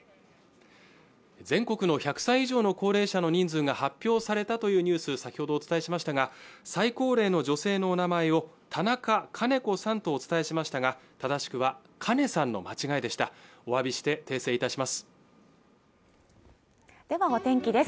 全国の１００歳以上の高齢者の人数が発表されたというニュース先ほどお伝えしましたが最高齢の女性のお名前を田中カネコさんとお伝えしましたが正しくはカ子さんの間違いでしたお詫びして訂正いたします